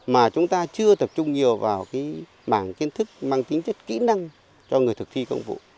mà chúng ta chưa tập trung nhiều vào mảng kiến thức mang tính chất kỹ năng cho người thực thi công vụ